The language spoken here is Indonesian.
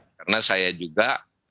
karena saya juga